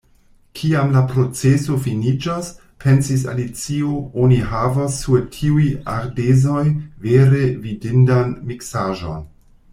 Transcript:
"Kiam la proceso finiĝos," pensis Alicio, "oni havos sur tiuj ardezoj vere vidindan miksaĵon!"